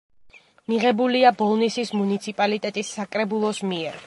მიღებულია ბოლნისის მუნიციპალიტეტის საკრებულოს მიერ.